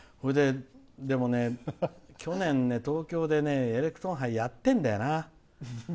でもね、去年東京でエレクトーンハイやってるんだよな。